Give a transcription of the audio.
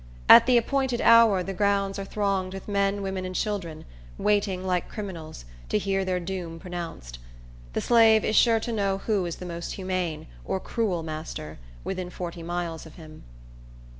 At the appointed hour the grounds are thronged with men, women, and children, waiting, like criminals, to hear their doom pronounced. The slave is sure to know who is the most humane, or cruel master, within forty miles of him.